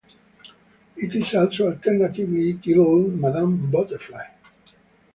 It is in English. It is also alternatively titled Madame Butterfly.